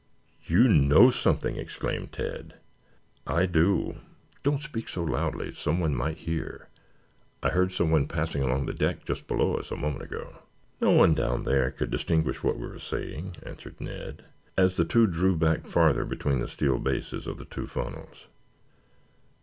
"You know something!" exclaimed Ned. "I do. Don't speak so loudly. Someone might hear. I heard someone passing along the deck just below us a moment ago." "No one down there could distinguish what we were saying," answered Ned, as the two drew back farther between the steel bases of the two funnels.